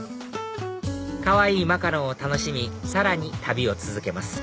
かわいいマカロンを楽しみさらに旅を続けます